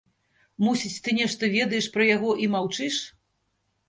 Мусіць, ты нешта ведаеш пра яго і маўчыш?